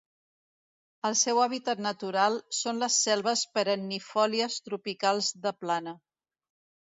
El seu hàbitat natural són les selves perennifòlies tropicals de plana.